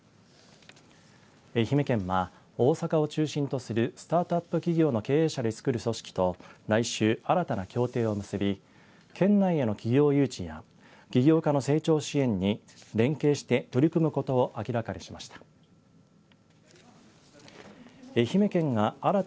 愛媛県は、大阪を中心とするスタートアップ企業の経営者でつくる組織と来週新たな協定を結び、県内への企業誘致や起業家の成長支援に連携して取り組むことを明らかにしました。